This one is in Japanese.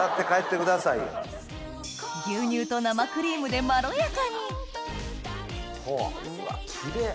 牛乳と生クリームでまろやかにうわキレイ！